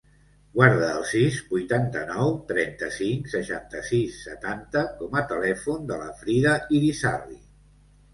Guarda el sis, vuitanta-nou, trenta-cinc, seixanta-sis, setanta com a telèfon de la Frida Irisarri.